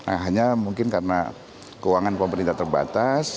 hanya mungkin karena keuangan pemerintah terbatas